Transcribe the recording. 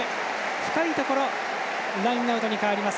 深いところラインアウトに変わります。